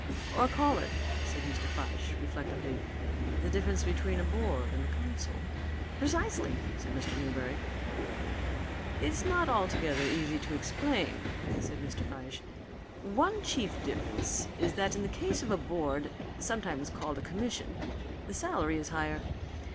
"Or call it," said Mr. Fyshe reflectively, "the difference between a board and a council." "Precisely," said Mr Newberry. "It's not altogether easy to explain," said Mr. Fyshe. "One chief difference is that in the case of a board, sometimes called a Commission, the salary is higher.